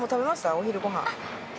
お昼ご飯。